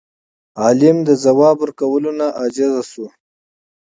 عالم د ځواب ورکولو نه عاجز شو.